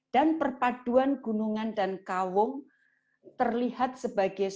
dan perpaduan gunungan dan kawung terlihat sebagai